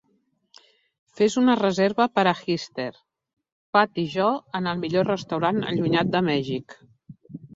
Fes una reserva per a hester, pat i jo en el millor restaurant allunyat de Mèxic